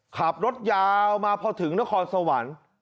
ขับรถยาวมาพอถึงนครสวรรค์